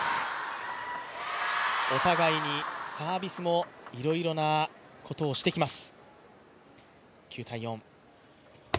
お互いにサービスもいろいろなことをしてきます。